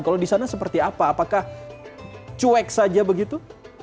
kalau di sana seperti apa apakah cuek saja begitu